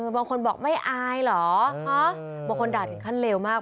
บางคนบอกไม่อายเหรอบางคนด่าถึงขั้นเลวมาก